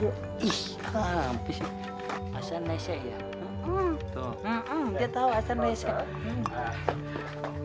enggak saya yang kekenyangan